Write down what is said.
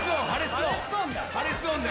破裂音だ。